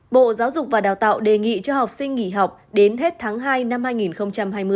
bộ giáo dục và đào tạo đề nghị cho học sinh nghỉ học đến hết tháng hai năm hai nghìn hai mươi